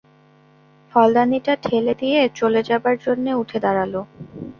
ফলদানিটা ঠেলে দিয়ে চলে যাবার জন্যে উঠে দাঁড়াল।